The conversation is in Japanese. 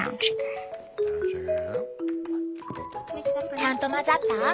ちゃんと混ざった？